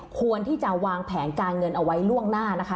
ควรที่จะวางแผนการเงินเอาไว้ล่วงหน้านะคะ